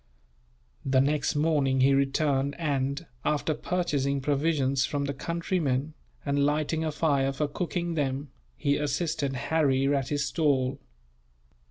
The next morning he returned and, after purchasing provisions from the countrymen, and lighting a fire for cooking them, he assisted Harry at his stall.